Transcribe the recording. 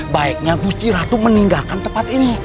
baiknya gusti ratu meninggalkan tempat ini